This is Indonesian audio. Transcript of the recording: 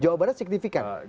jawa barat signifikan